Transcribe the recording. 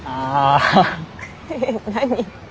何？